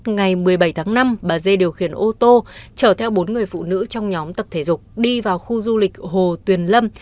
ngày một mươi bảy tháng năm bà dê điều khiển ô tô chở theo bốn người phụ nữ trong nhóm tập thể dục đi vào khu du lịch hồ tuyền lâm